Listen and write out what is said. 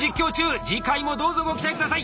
次回もどうぞご期待下さい！